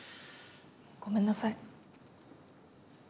ごめんなさい。